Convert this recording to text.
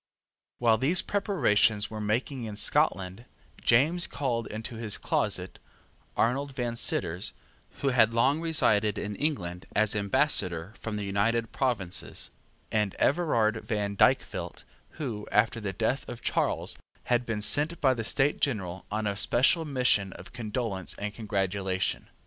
While these preparations were making in Scotland, James called into his closet Arnold Van Citters, who had long resided in England as Ambassador from the United Provinces, and Everard Van Dykvelt, who, after the death of Charles, had been sent by the State General on a special mission of condolence and congratulation.